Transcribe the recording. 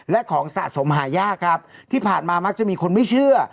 และของสะสมหายากครับที่ผ่านมามักจะมีคนไม่เชื่อ